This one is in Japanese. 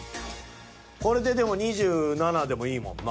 これででも２７でもいいもんな。